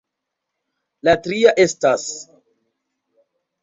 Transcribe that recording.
La tria estas...